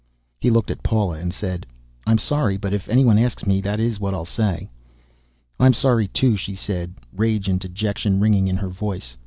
He looked at Paula and said, "I'm sorry, but if anyone asks me, that is what I'll say." "I'm sorry, too," she said, rage and dejection ringing in her voice.